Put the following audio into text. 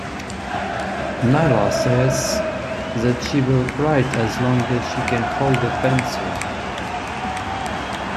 Naylor says that she will write as long as she can hold a pencil.